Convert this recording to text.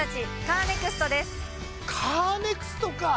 カーネクストか！